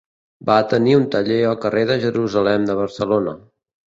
Va tenir un taller al carrer de Jerusalem de Barcelona.